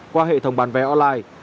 qua hệ thống bán vé online